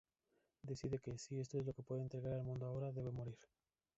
Decide que, si esto es lo que puede entregar al mundo ahora, debe morir.